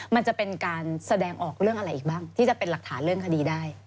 มันจะเป็นการแสดงออกเรื่องอะไรอีกบ้างที่จะเป็นหลักฐานเรื่องคดีได้